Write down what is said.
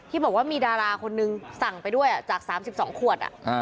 บอกว่ามีดาราคนนึงสั่งไปด้วยจาก๓๒ขวด